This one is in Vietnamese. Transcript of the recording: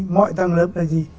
mọi tầng lớp là gì